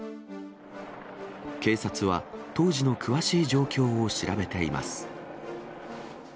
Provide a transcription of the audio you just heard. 警察は当時の詳しい状況を調べています。